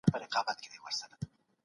ولي د بازار سیالي د تولید کیفیت ښه کوي؟